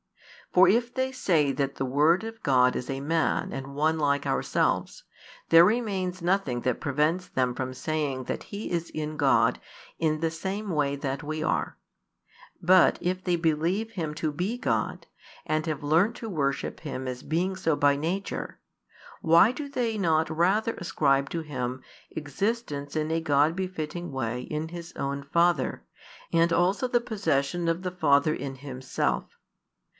For if they say that the Word of God is a man and one like ourselves, there remains nothing that prevents them from saying that He is in God in the same way that we are: but if they believe Him to be God, and have learnt to worship Him as being so by nature, why do they not rather ascribe to Him existence in a God befitting way in His own Father, and also the possession of the Father in Himself?